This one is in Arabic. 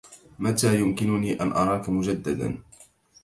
متى يمكنني أن أراك مجددا؟